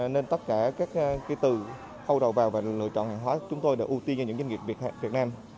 nên tất cả từ khâu đầu vào và lựa chọn hàng hóa chúng tôi đã ưu tiên cho những doanh nghiệp việt nam